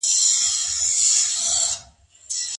واوره په ټولو سیمو کي نه ورېږي.